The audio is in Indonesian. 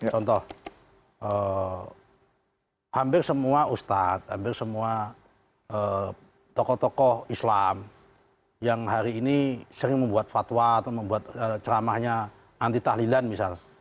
contoh hampir semua ustadz hampir semua tokoh tokoh islam yang hari ini sering membuat fatwa atau membuat ceramahnya anti tahlilan misal